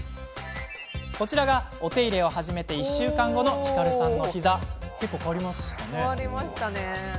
こちらがお手入れを始めて１週間後のひかるさんのひざ結構、変わりましたね。